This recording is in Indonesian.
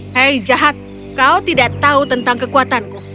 hei jahat kau tidak tahu tentang kekuatanku